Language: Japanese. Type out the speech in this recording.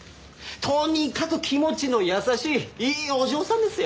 とにかく気持ちの優しいいいお嬢さんですよ。